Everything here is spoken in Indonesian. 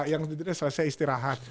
yang di drill selesai istirahat